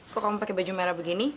kok kamu pakai baju merah begini